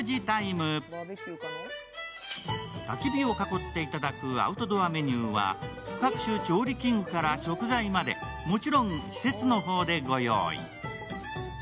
たき火を囲っていただくアウトドアメニューは、各種調理器具から食材までもちろん施設の方でご用意。